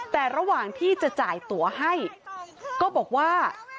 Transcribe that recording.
แต่ระหว่างที่จะจ่ายตัวให้ก็บอกว่า